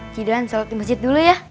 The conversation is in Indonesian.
si dan sholat di masjid dulu ya